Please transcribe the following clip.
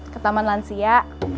ke taman lansia